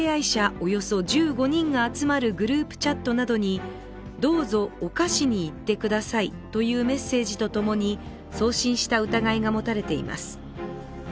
およそ１５人が集まるグループチャットなどに「どうぞ犯しに行ってください」というメッセージとともに送信した疑いが持たれています。